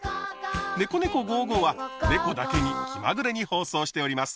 「ねこねこ５５」はねこだけに気まぐれに放送しております。